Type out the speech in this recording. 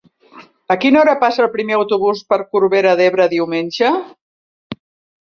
A quina hora passa el primer autobús per Corbera d'Ebre diumenge?